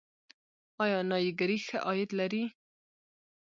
آیا نایي ګري ښه عاید لري؟